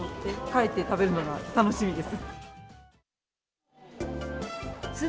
帰って食べるのが楽しみです。